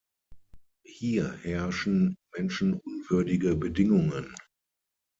Hier herrschen menschenunwürdige Bedingungen.